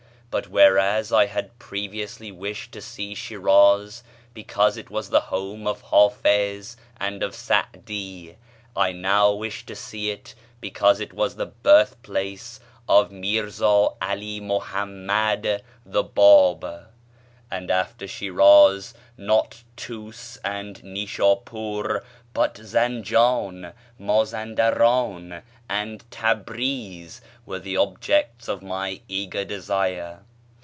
But whereas I had previously wished to see Shíráz because it was the home of Háfiz and of Sa'dí, I now wished to see it because it was the birthplace of Mírzá 'Alí Muhammad the Báb. And, after Shíráz, not Tús and Nishápúr, but Zanján, Mázandarán, and Tabríz were the objects of my eager desire.